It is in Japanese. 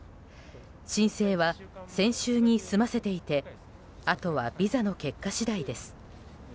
申請は先週に済ませていてあとはビザの結果次第です。